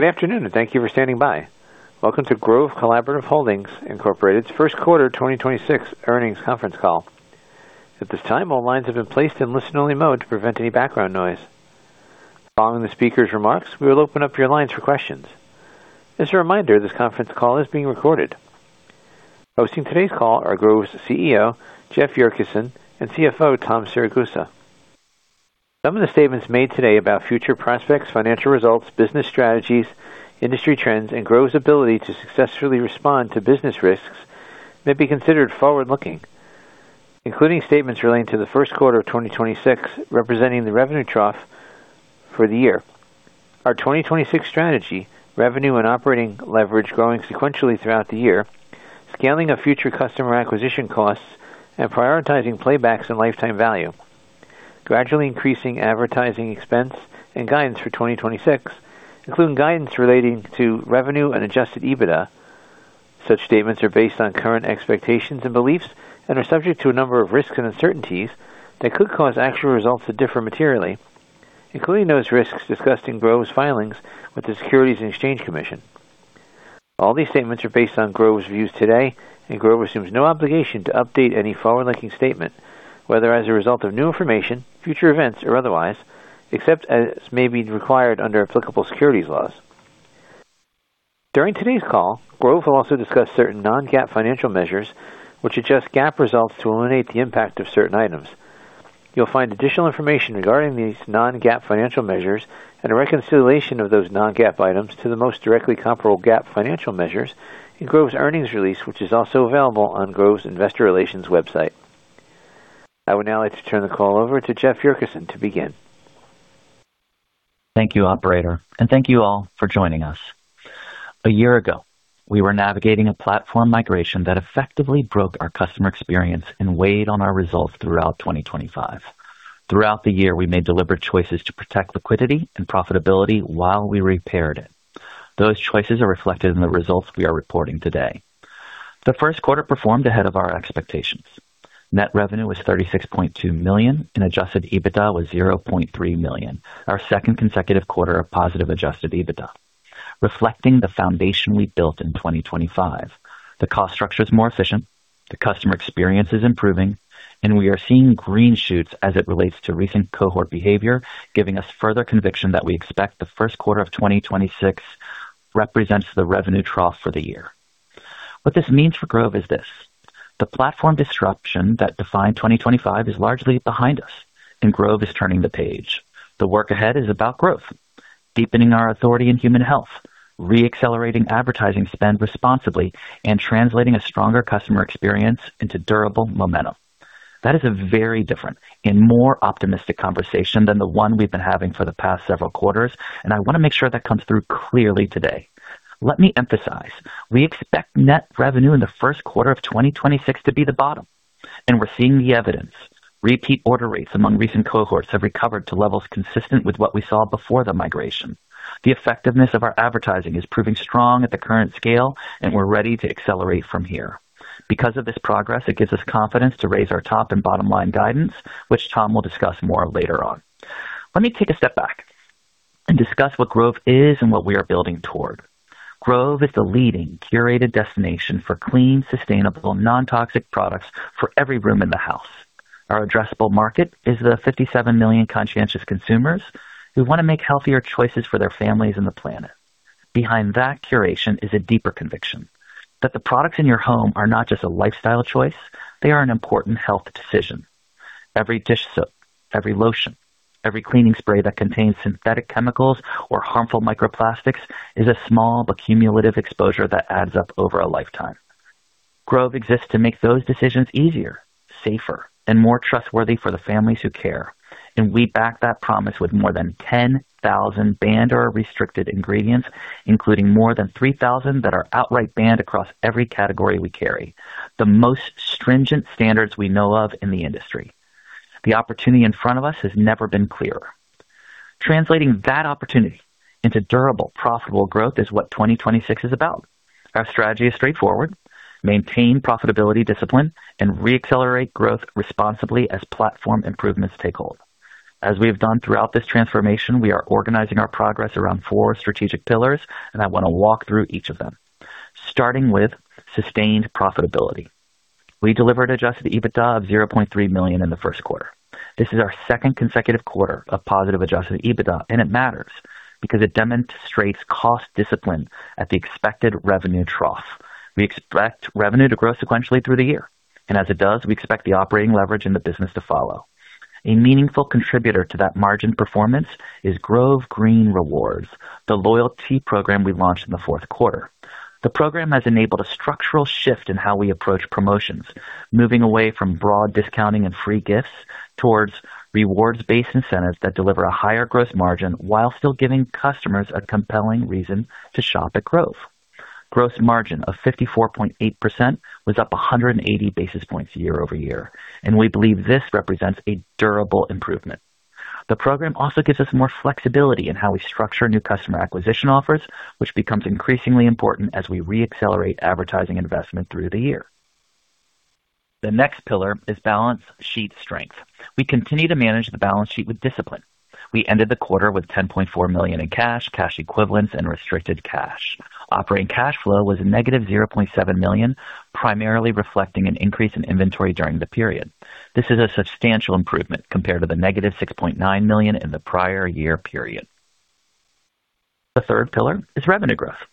Good afternoon, and thank you for standing by. Welcome to Grove Collaborative Holdings, Inc.'s first quarter 2026 earnings conference call. At this time, all lines have been placed in listen-only mode to prevent any background noise. Following the speaker's remarks, we will open up your lines for questions. As a reminder, this conference call is being recorded. Hosting today's call are Grove's CEO, Jeff Yurcisin, and CFO Tom Siragusa. Some of the statements made today about future prospects, financial results, business strategies, industry trends, and Grove's ability to successfully respond to business risks may be considered forward-looking, including statements relating to the first quarter of 2026 representing the revenue trough for the year. Our 2026 strategy, revenue and operating leverage growing sequentially throughout the year, scaling of future customer acquisition costs, and prioritizing paybacks and lifetime value, gradually increasing advertising expense and guidance for 2026, including guidance relating to revenue and adjusted EBITDA. Such statements are based on current expectations and beliefs and are subject to a number of risks and uncertainties that could cause actual results to differ materially, including those risks discussed in Grove's filings with the Securities and Exchange Commission. These statements are based on Grove's views today, and Grove assumes no obligation to update any forward-looking statement, whether as a result of new information, future events, or otherwise, except as may be required under applicable securities laws. During today's call, Grove will also discuss certain non-GAAP financial measures which adjust GAAP results to eliminate the impact of certain items. You'll find additional information regarding these non-GAAP financial measures and a reconciliation of those non-GAAP items to the most directly comparable GAAP financial measures in Grove's earnings release, which is also available on Grove's investor relations website. I would now like to turn the call over to Jeff Yurcisin to begin. Thank you, operator, and thank you all for joining us. A year ago, we were navigating a platform migration that effectively broke our customer experience and weighed on our results throughout 2025. Throughout the year, we made deliberate choices to protect liquidity and profitability while we repaired it. Those choices are reflected in the results we are reporting today. The first quarter performed ahead of our expectations. Net revenue was $36.2 million and adjusted EBITDA was $0.3 million, our second consecutive quarter of positive adjusted EBITDA, reflecting the foundation we built in 2025. The cost structure is more efficient, the customer experience is improving, and we are seeing green shoots as it relates to recent cohort behavior, giving us further conviction that we expect the first quarter of 2026 represents the revenue trough for the year. What this means for Grove is this: the platform disruption that defined 2025 is largely behind us, and Grove is turning the page. The work ahead is about growth, deepening our authority in human health, re-accelerating advertising spend responsibly, and translating a stronger customer experience into durable momentum. That is a very different and more optimistic conversation than the one we've been having for the past several quarters, and I want to make sure that comes through clearly today. Let me emphasize, we expect net revenue in the first quarter of 2026 to be the bottom, and we're seeing the evidence. Repeat order rates among recent cohorts have recovered to levels consistent with what we saw before the migration. The effectiveness of our advertising is proving strong at the current scale, and we're ready to accelerate from here. Because of this progress, it gives us confidence to raise our top and bottom line guidance, which Tom will discuss more later on. Let me take a step back and discuss what Grove is and what we are building toward. Grove is the leading curated destination for clean, sustainable, non-toxic products for every room in the house. Our addressable market is the 57 million conscientious consumers who want to make healthier choices for their families and the planet. Behind that curation is a deeper conviction that the products in your home are not just a lifestyle choice, they are an important health decision. Every dish soap, every lotion, every cleaning spray that contains synthetic chemicals or harmful microplastics is a small but cumulative exposure that adds up over a lifetime. Grove exists to make those decisions easier, safer, and more trustworthy for the families who care. We back that promise with more than 10,000 banned or restricted ingredients, including more than 3,000 that are outright banned across every category we carry. The most stringent standards we know of in the industry. The opportunity in front of us has never been clearer. Translating that opportunity into durable, profitable growth is what 2026 is about. Our strategy is straightforward: maintain profitability discipline, and re-accelerate growth responsibly as platform improvements take hold. As we have done throughout this transformation, we are organizing our progress around four strategic pillars, and I want to walk through each of them, starting with sustained profitability. We delivered adjusted EBITDA of $0.3 million in the first quarter. This is our second consecutive quarter of positive adjusted EBITDA, and it matters because it demonstrates cost discipline at the expected revenue trough. We expect revenue to grow sequentially through the year, and as it does, we expect the operating leverage in the business to follow. A meaningful contributor to that margin performance is Grove Green Rewards, the loyalty program we launched in the fourth quarter. The program has enabled a structural shift in how we approach promotions, moving away from broad discounting and free gifts towards rewards-based incentives that deliver a higher gross margin while still giving customers a compelling reason to shop at Grove. Gross margin of 54.8% was up 180 basis points year-over-year, and we believe this represents a durable improvement. The program also gives us more flexibility in how we structure new customer acquisition offers, which becomes increasingly important as we re-accelerate advertising investment through the year. The next pillar is balance sheet strength. We continue to manage the balance sheet with discipline. We ended the quarter with $10.4 million in cash equivalents and restricted cash. Operating cash flow was a -$0.7 million, primarily reflecting an increase in inventory during the period. This is a substantial improvement compared to the -$6.9 million in the prior year period. The third pillar is revenue growth.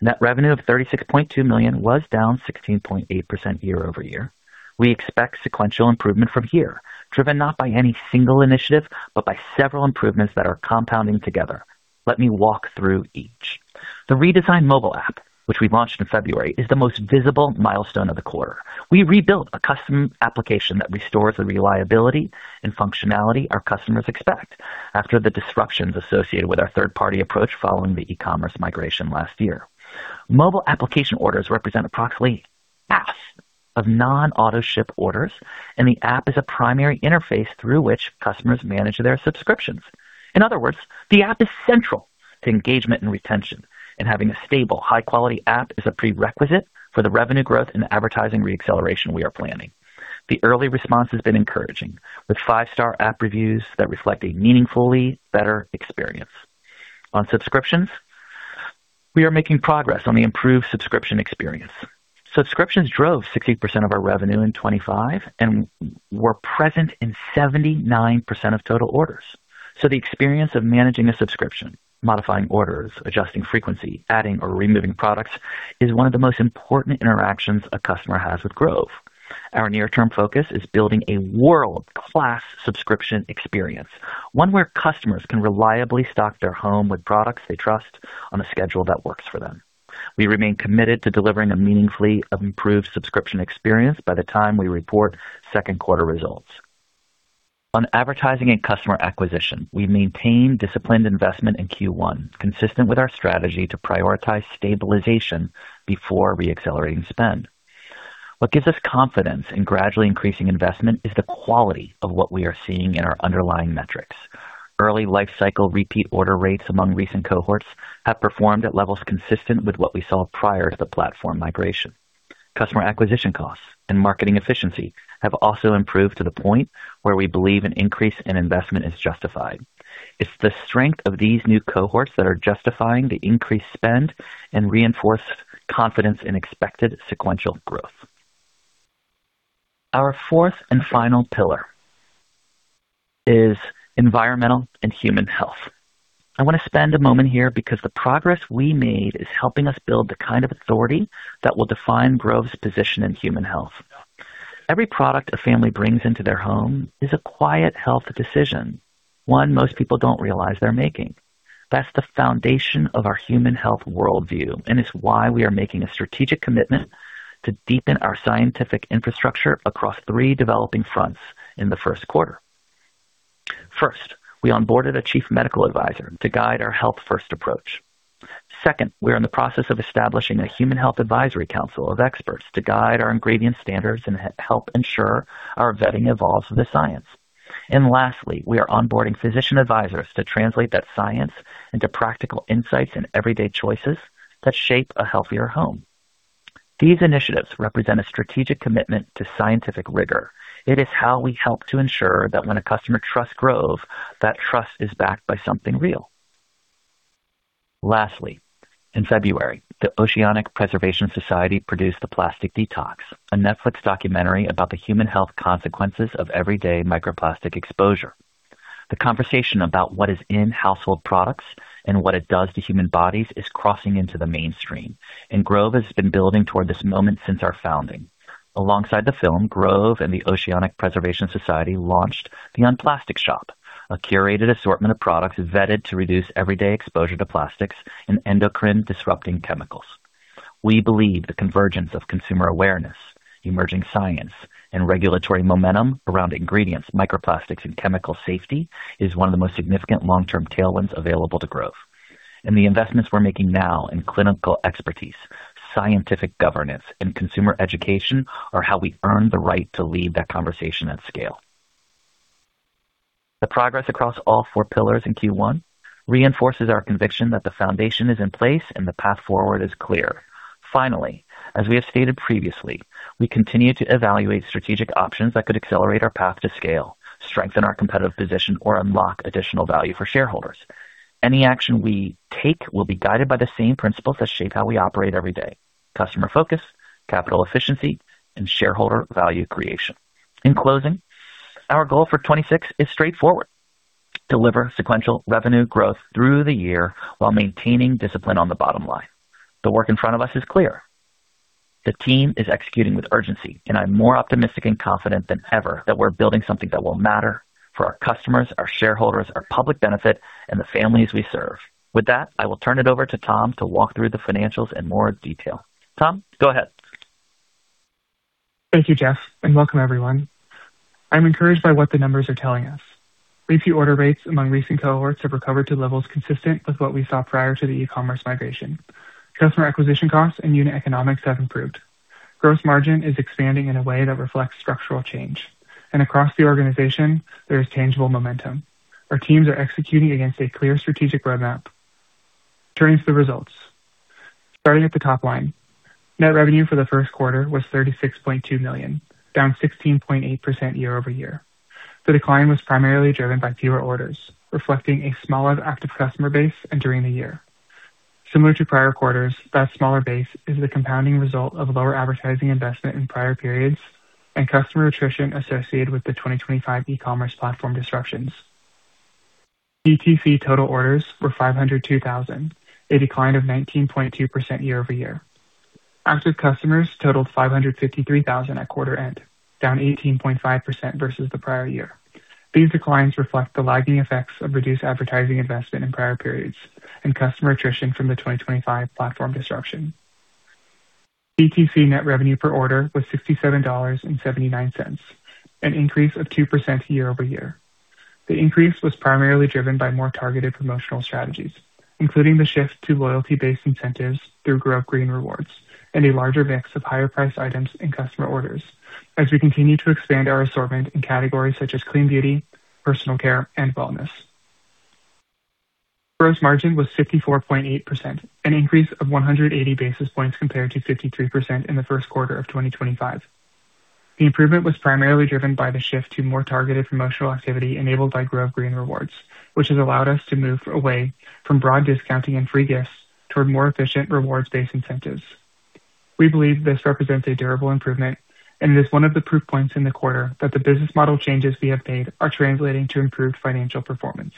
Net revenue of $36.2 million was down 16.8% year-over-year. We expect sequential improvement from here, driven not by any single initiative, but by several improvements that are compounding together. Let me walk through each. The redesigned mobile app, which we launched in February, is the most visible milestone of the quarter. We rebuilt a custom application that restores the reliability and functionality our customers expect after the disruptions associated with our third-party approach following the e-commerce migration last year. Mobile application orders represent approximately half of non-auto ship orders, and the app is a primary interface through which customers manage their subscriptions. In other words, the app is central to engagement and retention, and having a stable, high quality app is a prerequisite for the revenue growth and advertising re-acceleration we are planning. The early response has been encouraging, with five-star app reviews that reflect a meaningfully better experience. On subscriptions, we are making progress on the improved subscription experience. Subscriptions drove 60% of our revenue in 2025 and were present in 79% of total orders. The experience of managing a subscription, modifying orders, adjusting frequency, adding or removing products is one of the most important interactions a customer has with Grove. Our near term focus is building a world-class subscription experience, one where customers can reliably stock their home with products they trust on a schedule that works for them. We remain committed to delivering a meaningfully improved subscription experience by the time we report second quarter results. On advertising and customer acquisition, we maintain disciplined investment in Q1, consistent with our strategy to prioritize stabilization before re-accelerating spend. What gives us confidence in gradually increasing investment is the quality of what we are seeing in our underlying metrics. Early life cycle repeat order rates among recent cohorts have performed at levels consistent with what we saw prior to the platform migration. Customer acquisition costs and marketing efficiency have also improved to the point where we believe an increase in investment is justified. It's the strength of these new cohorts that are justifying the increased spend and reinforce confidence in expected sequential growth. Our fourth and final pillar is environmental and human health. I want to spend a moment here because the progress we made is helping us build the kind of authority that will define Grove's position in human health. Every product a family brings into their home is a quiet health decision, one most people don't realize they're making. That's the foundation of our human health worldview, and it's why we are making a strategic commitment to deepen our scientific infrastructure across three developing fronts in the first quarter. First, we onboarded a chief medical advisor to guide our health-first approach. Second, we are in the process of establishing a Human Health Advisory Council of Experts to guide our ingredient standards and help ensure our vetting evolves with the science. Lastly, we are onboarding physician advisors to translate that science into practical insights and everyday choices that shape a healthier home. These initiatives represent a strategic commitment to scientific rigor. It is how we help to ensure that when a customer trusts Grove, that trust is backed by something real. Lastly, in February, the Oceanic Preservation Society produced The Plastic Detox, a Netflix documentary about the human health consequences of everyday microplastic exposure. The conversation about what is in household products and what it does to human bodies is crossing into the mainstream, and Grove has been building toward this moment since our founding. Alongside the film, Grove and the Oceanic Preservation Society launched the Unplastic Shop, a curated assortment of products vetted to reduce everyday exposure to plastics and endocrine-disrupting chemicals. We believe the convergence of consumer awareness, emerging science, and regulatory momentum around ingredients, microplastics, and chemical safety is one of the most significant long-term tailwinds available to Grove. The investments we're making now in clinical expertise, scientific governance, and consumer education are how we earn the right to lead that conversation at scale. The progress across all four pillars in Q1 reinforces our conviction that the foundation is in place and the path forward is clear. Finally, as we have stated previously, we continue to evaluate strategic options that could accelerate our path to scale, strengthen our competitive position, or unlock additional value for shareholders. Any action we take will be guided by the same principles that shape how we operate every day customer focus, capital efficiency, and shareholder value creation. In closing, our goal for 2026 is straightforward. Deliver sequential revenue growth through the year while maintaining discipline on the bottom line. The work in front of us is clear. The team is executing with urgency, and I'm more optimistic and confident than ever that we're building something that will matter for our customers, our shareholders, our public benefit, and the families we serve. With that, I will turn it over to Tom to walk through the financials in more detail. Tom, go ahead. Thank you, Jeff, and welcome everyone. I'm encouraged by what the numbers are telling us. Repeat order rates among recent cohorts have recovered to levels consistent with what we saw prior to the e-commerce migration. Customer acquisition costs and unit economics have improved. Gross margin is expanding in a way that reflects structural change. Across the organization, there is tangible momentum. Our teams are executing against a clear strategic roadmap. Turning to the results. Starting at the top line, net revenue for the first quarter was $36.2 million, down 16.8% year-over-year. The decline was primarily driven by fewer orders, reflecting a smaller active customer base and during the year. Similar to prior quarters, that smaller base is the compounding result of lower advertising investment in prior periods and customer attrition associated with the 2025 e-commerce platform disruptions. DTC total orders were 502,000, a decline of 19.2% year-over-year. Active customers totaled 553,000 at quarter end, down 18.5% versus the prior year. These declines reflect the lagging effects of reduced advertising investment in prior periods and customer attrition from the 2025 platform disruption. DTC net revenue per order was $67.79, an increase of 2% year-over-year. The increase was primarily driven by more targeted promotional strategies, including the shift to loyalty-based incentives through Grove Green Rewards and a larger mix of higher priced items in customer orders as we continue to expand our assortment in categories such as clean beauty, personal care, and wellness. Gross margin was 54.8%, an increase of 180 basis points compared to 53% in the first quarter of 2025. The improvement was primarily driven by the shift to more targeted promotional activity enabled by Grove Green Rewards, which has allowed us to move away from broad discounting and free gifts toward more efficient rewards-based incentives. We believe this represents a durable improvement, and it is one of the proof points in the quarter that the business model changes we have made are translating to improved financial performance.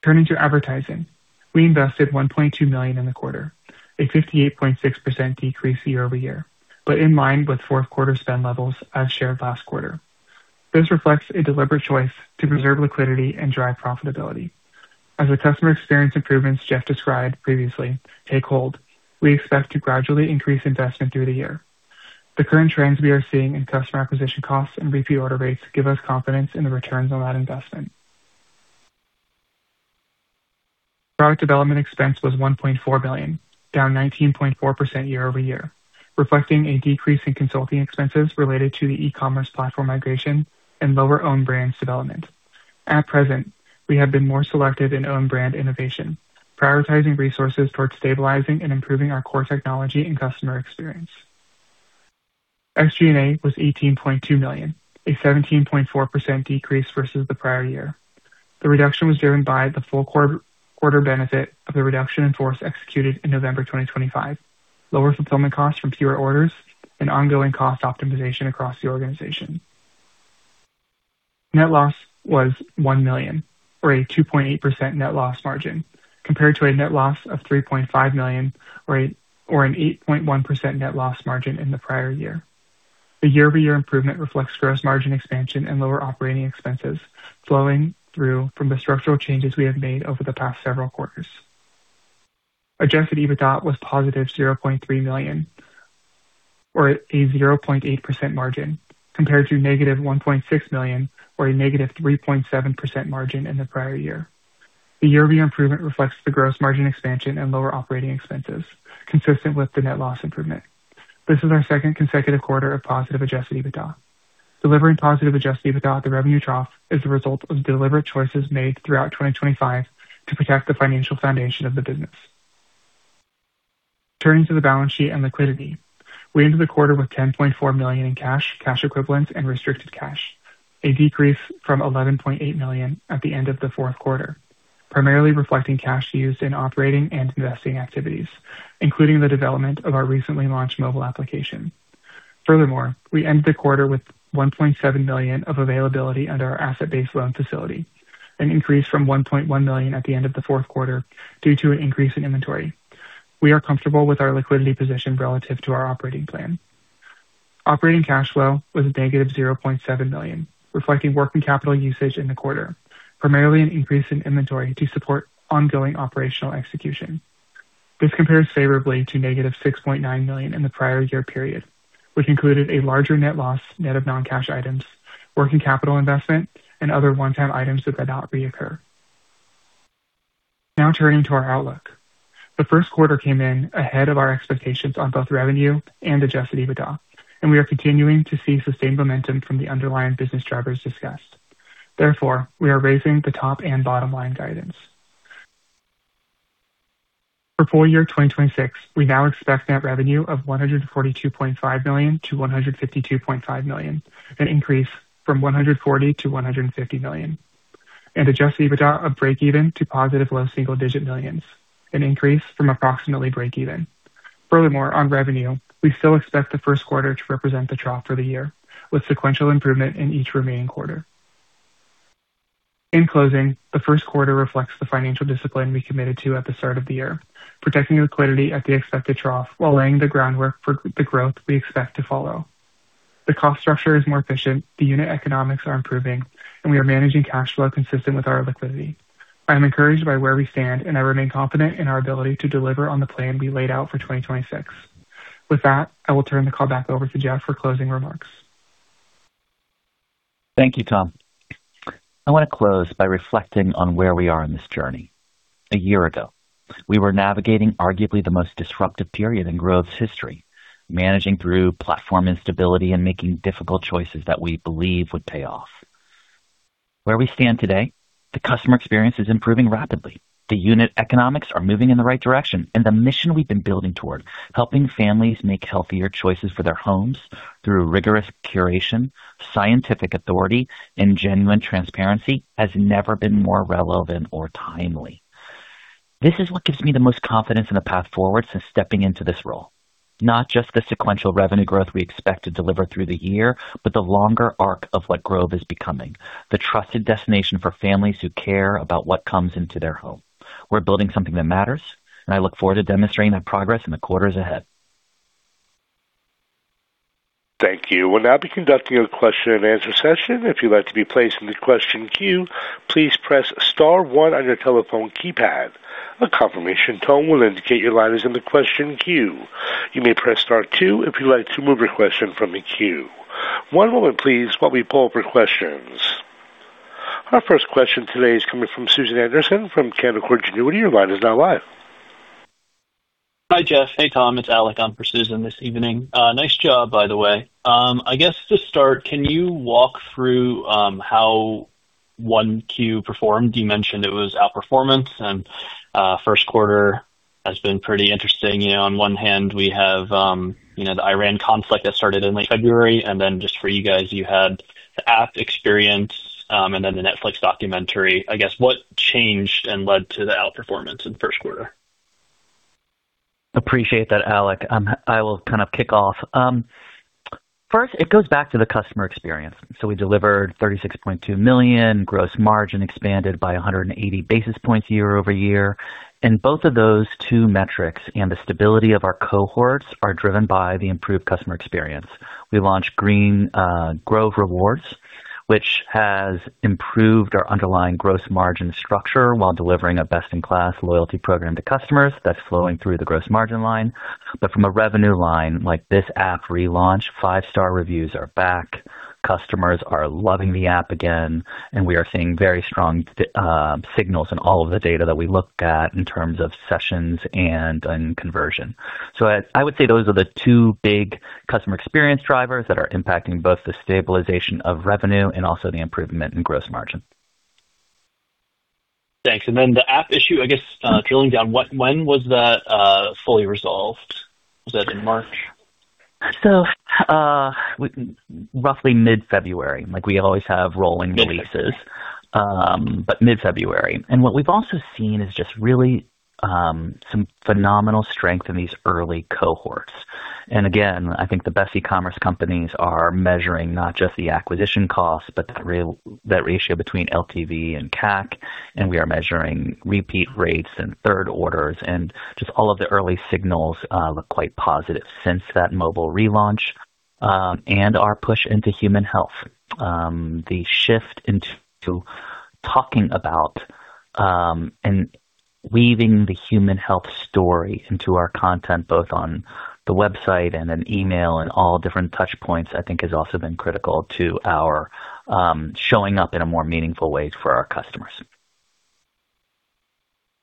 Turning to advertising, we invested $1.2 million in the quarter, a 58.6% decrease year-over-year, but in line with fourth quarter spend levels as shared last quarter. This reflects a deliberate choice to preserve liquidity and drive profitability. As the customer experience improvements Jeff described previously take hold, we expect to gradually increase investment through the year. The current trends we are seeing in customer acquisition costs and repeat order rates give us confidence in the returns on that investment. Product development expense was $1.4 million, down 19.4% year-over-year, reflecting a decrease in consulting expenses related to the e-commerce platform migration and lower own brands development. At present, we have been more selective in own brand innovation, prioritizing resources towards stabilizing and improving our core technology and customer experience. SG&A was $18.2 million, a 17.4% decrease versus the prior year. The reduction was driven by the full quarter benefit of the reduction in force executed in November 2025, lower fulfillment costs from fewer orders, and ongoing cost optimization across the organization. Net loss was $1 million or a 2.8% net loss margin, compared to a net loss of $3.5 million or an 8.1% net loss margin in the prior year. The year-over-year improvement reflects gross margin expansion and lower operating expenses flowing through from the structural changes we have made over the past several quarters. adjusted EBITDA was positive $0.3 million or a 0.8% margin, compared to -$1.6 million or a -3.7% margin in the prior year. The year-over-year improvement reflects the gross margin expansion and lower operating expenses consistent with the net loss improvement. This is our second consecutive quarter of positive adjusted EBITDA. Delivering positive adjusted EBITDA at the revenue trough is the result of deliberate choices made throughout 2025 to protect the financial foundation of the business. Turning to the balance sheet and liquidity. We ended the quarter with $10.4 million in cash equivalents and restricted cash, a decrease from $11.8 million at the end of the fourth quarter, primarily reflecting cash used in operating and investing activities, including the development of our recently launched mobile application. Furthermore, we ended the quarter with $1.7 million of availability under our asset-based loan facility, an increase from $1.1 million at the end of the fourth quarter due to an increase in inventory. We are comfortable with our liquidity position relative to our operating plan. Operating cash flow was a negative $0.7 million, reflecting working capital usage in the quarter, primarily an increase in inventory to support ongoing operational execution. This compares favorably to -$6.9 million in the prior year period, which included a larger net loss net of non-cash items, working capital investment, and other one-time items that did not reoccur. Now turning to our outlook. The first quarter came in ahead of our expectations on both revenue and adjusted EBITDA, and we are continuing to see sustained momentum from the underlying business drivers discussed. Therefore, we are raising the top and bottom line guidance. For full year 2026, we now expect net revenue of $142.5 million-$152.5 million, an increase from $140 million-$150 million, and adjusted EBITDA of breakeven to positive low single-digit millions, an increase from approximately breakeven. On revenue, we still expect the first quarter to represent the trough for the year, with sequential improvement in each remaining quarter. The first quarter reflects the financial discipline we committed to at the start of the year, protecting liquidity at the expected trough while laying the groundwork for the growth we expect to follow. The cost structure is more efficient, the unit economics are improving, and we are managing cash flow consistent with our liquidity. I am encouraged by where we stand, and I remain confident in our ability to deliver on the plan we laid out for 2026. With that, I will turn the call back over to Jeff for closing remarks. Thank you, Tom. I want to close by reflecting on where we are in this journey. A year ago, we were navigating arguably the most disruptive period in Grove's history, managing through platform instability and making difficult choices that we believe would pay off. Where we stand today, the customer experience is improving rapidly. The unit economics are moving in the right direction. The mission we've been building toward, helping families make healthier choices for their homes through rigorous curation, scientific authority, and genuine transparency has never been more relevant or timely. This is what gives me the most confidence in the path forward since stepping into this role. Not just the sequential revenue growth we expect to deliver through the year, but the longer arc of what Grove is becoming, the trusted destination for families who care about what comes into their home. We're building something that matters, and I look forward to demonstrating that progress in the quarters ahead. Our first question today is coming from Susan Anderson from Canaccord Genuity. Your line is now live. Hi, Jeff. Hey, Tom. It's Alec on for Susan this evening. Nice job, by the way. I guess to start, can you walk through how 1Q performed? You mentioned it was outperformance, first quarter has been pretty interesting. You know, on one hand we have, you know, the Iran conflict that started in late February, and then just for you guys, you had the app experience, and then the Netflix documentary. I guess, what changed and led to the outperformance in the first quarter? Appreciate that, Alec. I will kind of kick off. First, it goes back to the customer experience. We delivered $36.2 million. Gross margin expanded by 180 basis points year-over-year. Both of those two metrics and the stability of our cohorts are driven by the improved customer experience. We launched Green Rewards, which has improved our underlying gross margin structure while delivering a best-in-class loyalty program to customers that's flowing through the gross margin line. From a revenue line, like, this app relaunch, five-star reviews are back. Customers are loving the app again. We are seeing very strong signals in all of the data that we look at in terms of sessions and in conversion. I would say those are the two big customer experience drivers that are impacting both the stabilization of revenue and also the improvement in gross margin. Thanks. Then the app issue, I guess, drilling down, when was that fully resolved? Was that in March? Roughly mid-February. Like, we always have rolling releases. Mid-February. What we've also seen is just really, some phenomenal strength in these early cohorts. Again, I think the best e-commerce companies are measuring not just the acquisition costs, but that ratio between LTV and CAC. We are measuring repeat rates and third orders. Just all of the early signals look quite positive since that mobile relaunch. Our push into human health. The shift into talking about, and weaving the human health story into our content, both on the website and in email and all different touch points, I think has also been critical to our showing up in a more meaningful way for our customers.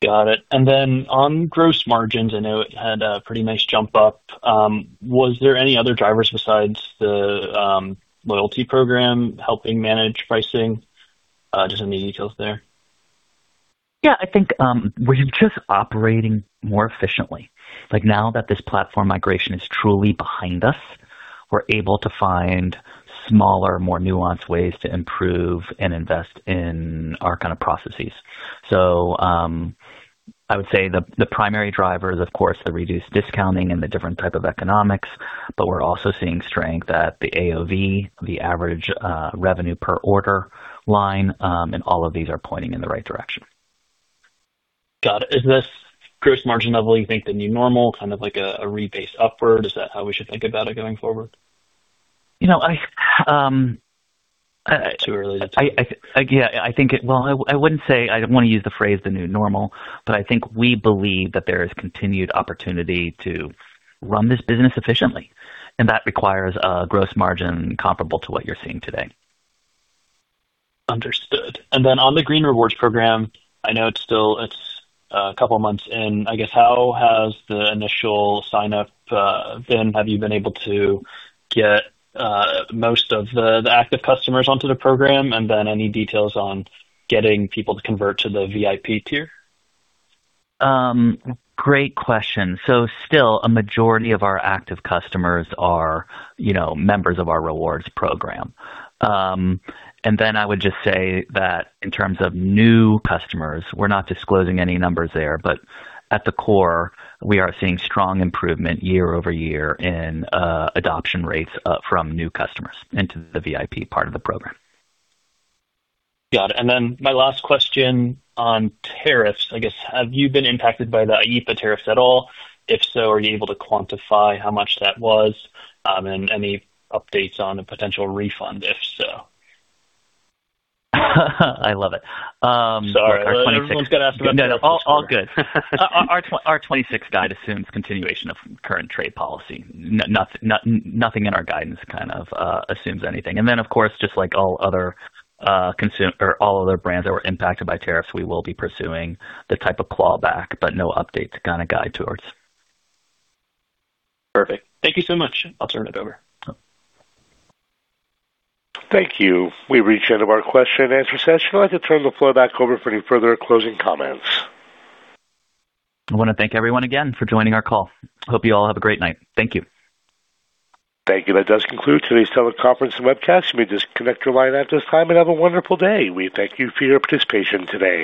Got it. On gross margins, I know it had a pretty nice jump up. Was there any other drivers besides the loyalty program helping manage pricing? Just any details there? I think we're just operating more efficiently. Like, now that this platform migration is truly behind us, we're able to find smaller, more nuanced ways to improve and invest in our kind of processes. I would say the primary driver is, of course, the reduced discounting and the different type of economics, but we're also seeing strength at the AOV, the average revenue per order line. All of these are pointing in the right direction. Got it. Is this gross margin level you think the new normal, kind of like a rebase upward? Is that how we should think about it going forward? You know, I, um, uh- Too early to tell. I, yeah, I think Well, I wouldn't say I don't wanna use the phrase the new normal, but I think we believe that there is continued opportunity to run this business efficiently. That requires a gross margin comparable to what you're seeing today. Understood. On the Green Rewards program, I know it's still a couple months in. I guess, how has the initial sign-up been? Have you been able to get most of the active customers onto the program? Any details on getting people to convert to the VIP tier? Great question. Still a majority of our active customers are, you know, members of our rewards program. I would just say that in terms of new customers, we're not disclosing any numbers there, but at the core, we are seeing strong improvement year-over-year in adoption rates from new customers into the VIP part of the program. Got it. My last question on tariffs. I guess, have you been impacted by the IEEPA tariffs at all? If so, are you able to quantify how much that was? Any updates on a potential refund if so? I love it. Sorry. Everyone's gotta ask about tariffs this quarter. No, all good. Our 26 guide assumes continuation of current trade policy. Nothing in our guidance kind of assumes anything. Of course, just like all other brands that were impacted by tariffs, we will be pursuing the type of clawback, but no update to kind of guide towards. Perfect. Thank you so much. I'll turn it over. Thank you. We've reached the end of our question and answer session. I'd like to turn the floor back over for any further closing comments. I wanna thank everyone again for joining our call. Hope you all have a great night. Thank you. Thank you. That does conclude today's teleconference and webcast. You may disconnect your line at this time, and have a wonderful day. We thank you for your participation today.